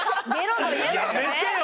やめてよ！